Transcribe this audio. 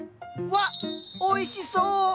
わっおいしそう！